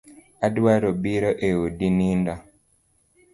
Adwa biro e odi nindo